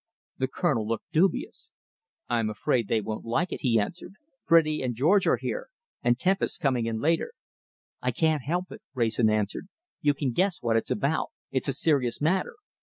The Colonel looked dubious. "I'm afraid they won't like it," he answered. "Freddy and George are here, and Tempest's coming in later." "I can't help it," Wrayson answered. "You can guess what it's about. It's a serious matter."